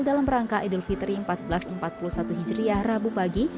dalam rangka idul fitri seribu empat ratus empat puluh satu hijriah rabu pagi